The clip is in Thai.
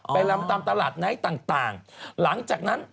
ลำตามตลาดไนท์ต่างหลังจากนั้น